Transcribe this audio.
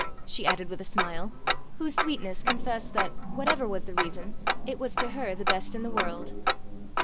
she added with a smile, whose sweetness confessed that, whatever was the reason, it was to her the best in the world.